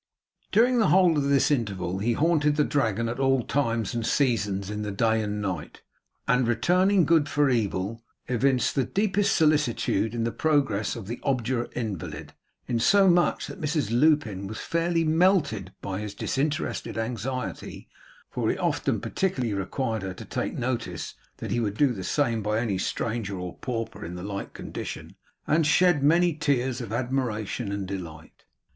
During the whole of this interval, he haunted the Dragon at all times and seasons in the day and night, and, returning good for evil evinced the deepest solicitude in the progress of the obdurate invalid, in so much that Mrs Lupin was fairly melted by his disinterested anxiety (for he often particularly required her to take notice that he would do the same by any stranger or pauper in the like condition), and shed many tears of admiration and delight.